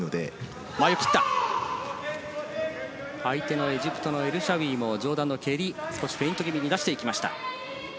相手のエジプトのエルシャウィも上段の蹴り、フェイント気味に流していきました。